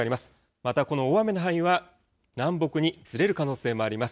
またこの大雨の範囲は、南北にずれる可能性もあります。